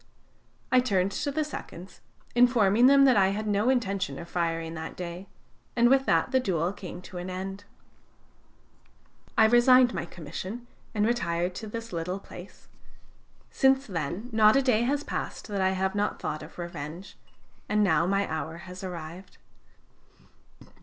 "I turned to the seconds, informing them that I had no intention of firing that day, and with that the duel came to an end. "I resigned my commission and retired to this little place. Since then not a day has passed that I have not thought of revenge. And now my hour has arrived."